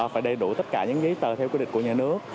phải đầy đủ tất cả những giấy tờ theo quy định của nhà nước